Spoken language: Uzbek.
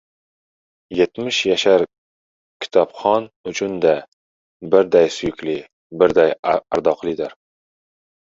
yetmish yashar kitobxon uchun-da birday suyukli, birday ardoqlidir.